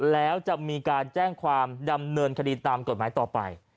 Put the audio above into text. แล้วจะมีการแจ้งความดำเนินคดีตามกฎหมายต่อไป